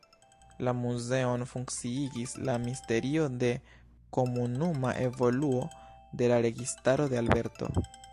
La muzeon funkciigis la Ministerio de Komunuma Evoluo de la Registaro de Alberto.